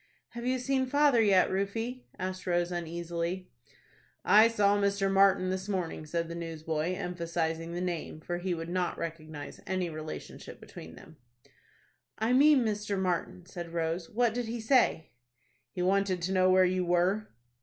"Have you seen father yet, Rufie?" asked Rose, uneasily. "I saw Mr. Martin this morning," said the newsboy, emphasizing the name, for he would not recognize any relationship between them. "I mean Mr. Martin," said Rose. "What did he say?" "He wanted to know where you were."